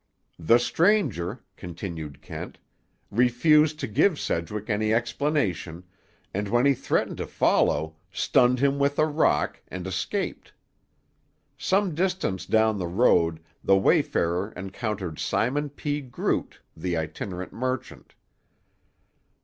"The stranger," continued Kent, "refused to give Sedgwick any explanation, and when he threatened to follow, stunned him with a rock, and escaped. Some distance down the road the wayfarer encountered Simon P. Groot, the itinerant merchant.